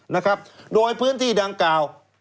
นะครับโดยพื้นที่ดังกล่าว